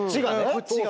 こっちが。